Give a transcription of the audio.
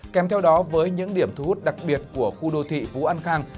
kèm theo đó với những điểm thu hút đặc biệt của khu đô thị phú an khang